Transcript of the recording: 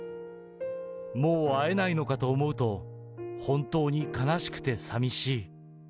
もう会えないのかと思うと、本当に悲しくてさみしい。